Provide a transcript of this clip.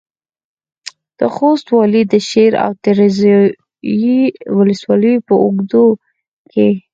د خوست والي د شېر او تریزایي ولسوالیو په اوږدو کې